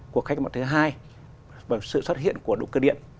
cuộc cách mạng thứ hai là sự xuất hiện của đủ cơ điện